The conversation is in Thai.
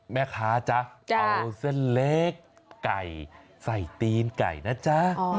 แม่ค้าจ๊ะเอาเส้นเล็กไก่ใส่ตีนไก่นะจ๊ะ